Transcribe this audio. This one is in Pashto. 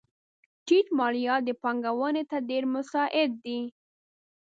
ټیټ مالیات پانګونې ته ډېر مساعد دي.